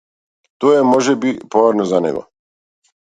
Тоа е можеби поарно за него.